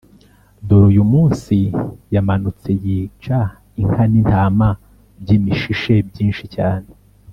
Dore uyu munsi yamanutse yica inka n’intama by’imishishe byinshi cyane